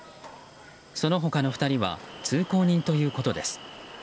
その他の２人は通行人ということです。